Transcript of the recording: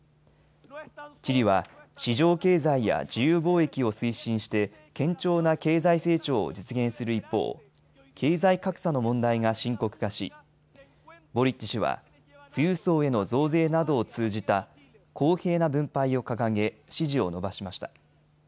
チリは市場経済や自由貿易を推進して堅調な経済成長を実現する一方、経済格差の問題が深刻化しボリッチ氏は富裕層への増税などを通じた公平な分配を掲げ支持を伸ばしました。